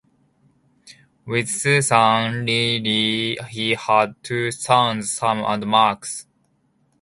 With Susan Lilley he had two sons, Sam and Max.